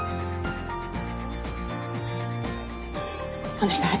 お願い。